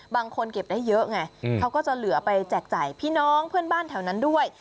เก็บได้เยอะไงเขาก็จะเหลือไปแจกจ่ายพี่น้องเพื่อนบ้านแถวนั้นด้วย